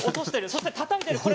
そして、たたいています。